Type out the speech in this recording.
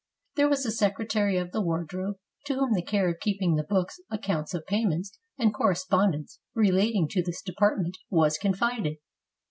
There was a secretary of the wardrobe, to whom the care of keeping the books, ac counts of payments, and correspondence relating to this department, was confided.